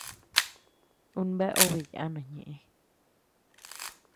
Un bea obe yana ñeʼë.